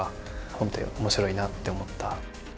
本って面白いなって思った。